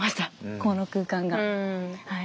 この空間がはい。